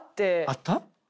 あった？